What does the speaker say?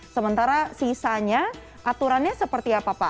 sementara sisanya aturannya seperti apa pak